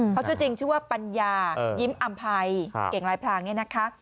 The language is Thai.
เขาชื่อจริงชื่อว่าปัญญายิ้มอำภัยเก่งลายพรางเนี่ยนะคะ